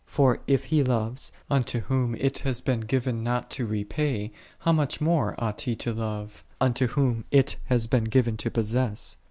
For if he loves, unto whom it hath been given not to repay: how much more ought he to love, unto whom it hath been given to possess.